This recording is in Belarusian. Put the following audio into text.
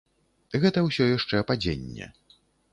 Гэта ўсё яшчэ падзенне.